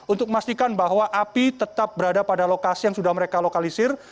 untuk memastikan bahwa api tetap berada pada lokasi yang sudah mereka lokalisir